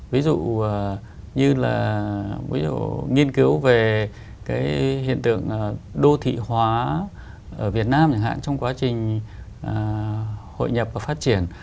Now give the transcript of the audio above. ví dụ như là nghiên cứu về cái hiện tượng đô thị hóa ở việt nam chẳng hạn trong quá trình hội nhập và phát triển